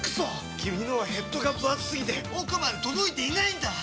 君のはヘッドがぶ厚すぎて奥まで届いていないんだっ！